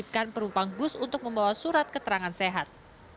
pengurusan perumpang bus untuk membawa surat keterangan sehat